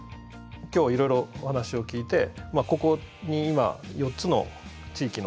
今日いろいろお話を聞いてここに今４つの地域の方が集まってますね。